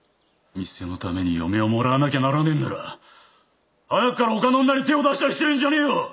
店のために嫁をもらわなきゃならねえんならはなっからほかの女に手を出したりするんじゃねえよ！